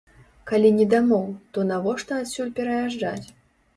Калі не дамоў, то навошта адсюль пераязджаць?